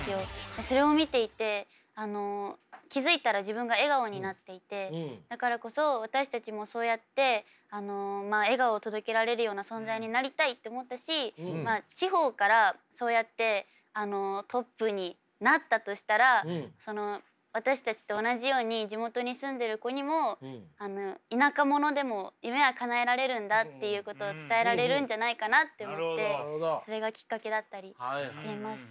それを見ていて気付いたら自分が笑顔になっていてだからこそ私たちもそうやって笑顔を届けられるような存在になりたいって思ったし地方からそうやってトップになったとしたら私たちと同じように地元に住んでる子にも田舎者でも夢はかなえられるんだっていうことを伝えられるんじゃないかなって思ってそれがきっかけだったりしています。